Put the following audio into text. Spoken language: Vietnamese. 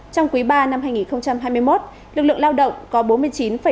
trong quý iii năm hai nghìn hai mươi một lực lượng lao động có bốn mươi chín một triệu người